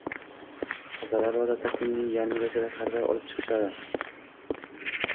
Otlarni odatda kunning yarmigacha tashqariga olib chiqishadi